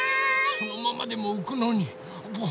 そのまんまでもうくのに。